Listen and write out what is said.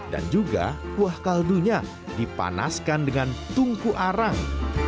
dan juga kuah kaldunya dipanaskan dengan tungku arang